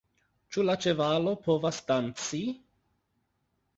Ĉu la ĉevalo povas danci!?